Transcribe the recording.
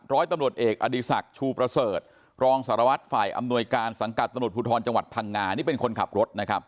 ร้อยตำรวจเอกอดีศักดิ์ชูประเสริฐรองสารวัตรฝ่ายอำนวยการสังกัดตำรวจภูทรจังหวัดพังงานี่เป็นคนขับรถนะครับ